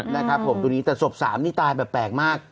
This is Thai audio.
นะครับผมตรงนี้แต่ศพสามนี่ตายแบบแปลกมาก